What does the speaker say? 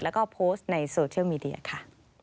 แล้วก็โพสต์ในโซเชียลมีเดียค่ะ